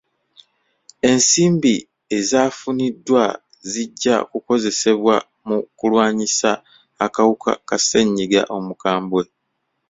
Ensimbi ezaafuniddwa zijja kukozesebwa mu kulwanyisa akawuuka ka ssenyigga omukambwe.